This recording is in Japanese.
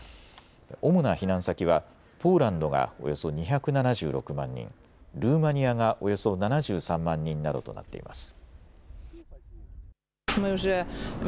主な避難先はポーランドがおよそ２７６万人、ルーマニアがおよそ７３万人などとなっています。